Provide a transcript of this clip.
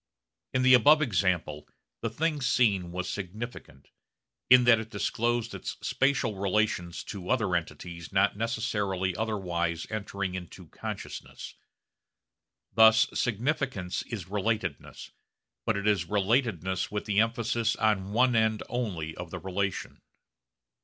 In the above example the thing seen was significant, in that it disclosed its spatial relations to other entities not necessarily otherwise entering into consciousness. Thus significance is relatedness, but it is relatedness with the emphasis on one end only of the relation.